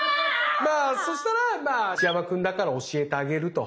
そしたら「内山君だから教えてあげる」と。